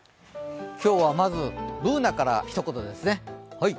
今日はまずＢｏｏｎａからひと言ですね。